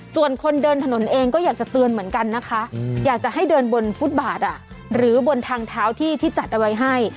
ส่วนคนเดินถนนเองก็อยากจะเตือนเหมือนกันนะคะอยากจะให้เดินบนฟุตบาทหรือบนทางเท้าที่จัดเอาไว้ให้